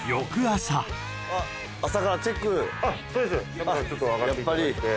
田村さん上がっていただいて。